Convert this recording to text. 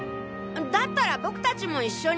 だったら僕達も一緒に。